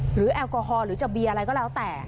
แอลกอฮอล์หรือจะเบียร์อะไรก็แล้วแต่